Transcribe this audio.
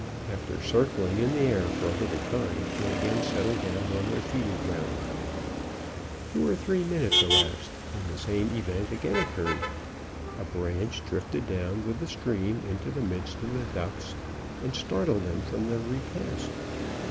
After circling in the air for a little time, they again settled down on their feeding ground. Two or three minutes elapsed, when the same event again occurred. A branch drifted down with the stream into the midst of the ducks, and startled them from their repast.